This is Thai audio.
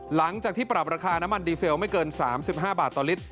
หลังจากที่ปรับราคาน้ำมันดีเซลไม่เกิน๓๕บาทต่อลิตร